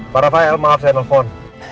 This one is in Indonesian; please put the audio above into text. para vial maaf saya telepon